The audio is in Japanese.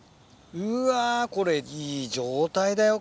うわこれいい状態だよ